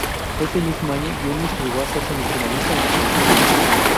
Ese mismo año, Yunis llegó a ser semifinalista en Atenas.